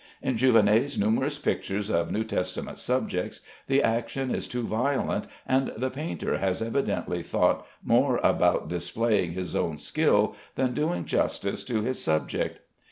In Jouvenet's numerous pictures of New Testament subjects the action is too violent, and the painter has evidently thought more about displaying his own skill than doing justice to his subject.